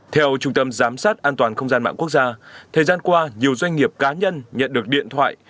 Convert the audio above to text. theo trung tâm giám sát an toàn không gian mạng quốc gia thời gian qua nhiều doanh nghiệp cá nhân nhận được điện thoại